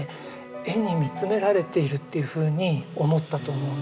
絵に見つめられているっていうふうに思ったと思うんです。